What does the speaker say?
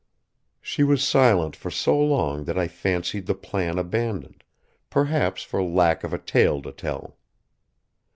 She was silent for so long that I fancied the plan abandoned, perhaps for lack of a tale to tell.